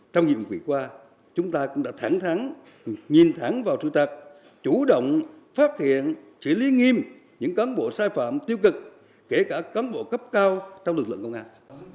trong nhiệm vụ quỷ qua chúng ta cũng đã thẳng thắng nhìn thẳng vào trụ tạc chủ động phát hiện xử lý nghiêm những cán bộ sai phạm tiêu cực kể cả cán bộ cấp cao trong lực lượng công an